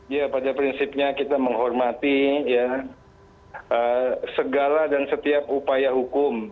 ya pada prinsipnya kita menghormati segala dan setiap upaya hukum